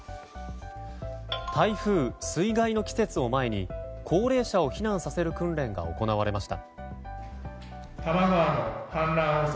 台風、水害の季節を前に高齢者を避難させる訓練が行われました。